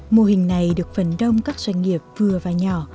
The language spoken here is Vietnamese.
mô hình này được phần đông các doanh nghiệp vừa và nhỏ